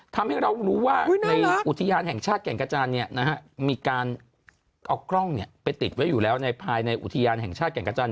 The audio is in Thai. ทำให้เรารู้ว่าในอุทยานแห่งชาติแก่งกระจานมีการเอากล้องไปติดไว้อยู่แล้วในภายในอุทยานแห่งชาติแก่งกระจาน